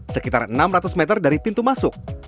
sekitar enam ratus meter dari pintu masuk